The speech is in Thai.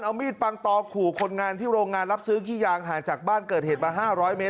เอามีดปังตอขู่คนงานที่โรงงานรับซื้อขี้ยางห่างจากบ้านเกิดเหตุมา๕๐๐เมตร